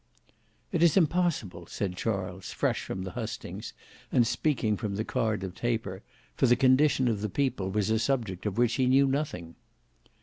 "It is impossible," said Charles, fresh from the hustings, and speaking from the card of Taper, for the condition of the people was a subject of which he knew nothing.